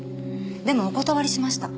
でもお断りしました。